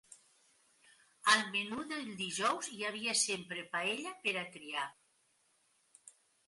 Al menú del dijous hi havia sempre paella per a triar.